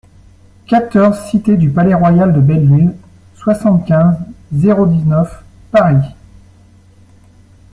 quatorze cité du Palais-Royal de Belleville, soixante-quinze, zéro dix-neuf, Paris